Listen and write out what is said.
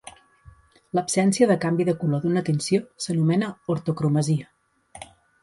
L'absència de canvi de color d'una tinció s'anomena ortocromasia.